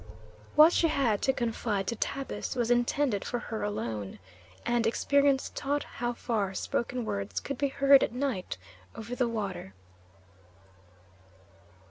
What she had to confide to Tabus was intended for her alone, and experience taught how far spoken words could be heard at night over the water.